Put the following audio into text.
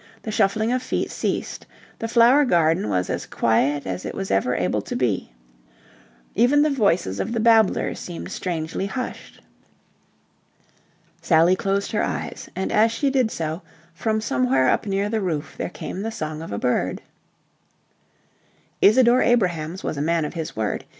The shuffling of feet ceased. The Flower Garden was as quiet as it was ever able to be. Even the voices of the babblers seemed strangely hushed. Sally closed her eyes, and as she did so from somewhere up near the roof there came the song of a bird. Isadore Abrahams was a man of his word.